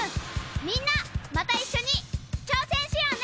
みんなまた一緒に挑戦しようね！